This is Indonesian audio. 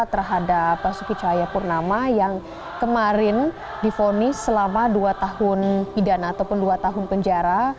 terhadap basuki cahaya purnama yang kemarin difonis selama dua tahun pidana ataupun dua tahun penjara